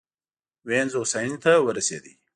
وینز هوساینې ته ورسېد.